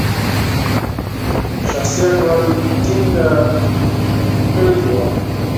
شخصي انډیوالي ټینګه کړې وه.